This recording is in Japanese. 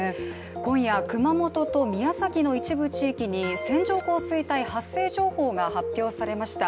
今夜、熊本県と宮崎県の一部に線状降水帯発生情報が発表されました。